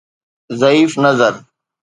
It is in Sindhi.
ضعيف نظر